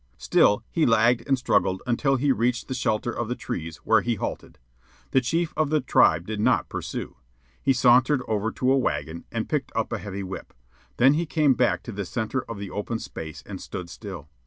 Still he lagged and struggled until he reached the shelter of the trees, where he halted. The chief of the tribe did not pursue. He sauntered over to a wagon and picked up a heavy whip. Then he came back to the centre of the open space and stood still.